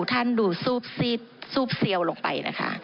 ท่านดูซูบซีดซูบเสียวลงไปนะคะ